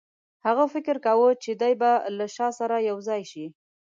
هغه فکر کاوه چې دی به له شاه سره یو ځای شي.